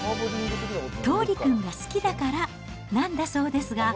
桃琉くんが好きだからなんだそうですが。